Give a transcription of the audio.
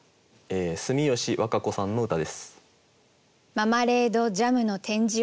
住吉和歌子さんの歌です。